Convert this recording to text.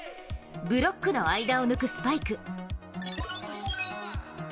ブロックの間を抜くスパイク。